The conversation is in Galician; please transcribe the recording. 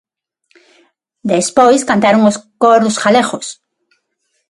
Despois cantaron os Coros galegos.